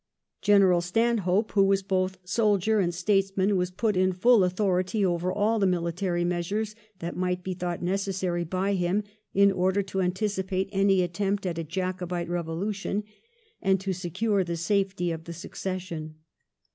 General Stanhope, who was both soldier and statesman, was put in full authority over all the miUtary measures that might be thought necessary by him in order to anticipate any attempt at a Jacobite revolution and to secure the safety of the succession.